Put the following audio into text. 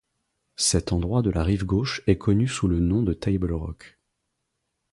Cet endroit de la rive gauche est connu sous le nom de « Table-Rock ».